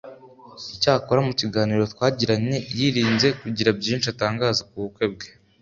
icyakora mu kiganiro twagiranye yirinze kugira byinshi atangaza ku bukwe bwe